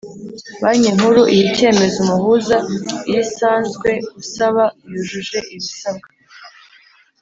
Banki Nkuru iha icyemezo umuhuza, iyo isanze usaba yujuje ibisabwa.